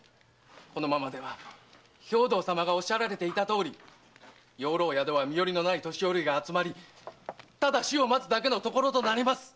このままでは兵藤様がおっしゃられていたとおり養老宿は身寄りのない年寄りが集まりただ死を待つだけの所となります！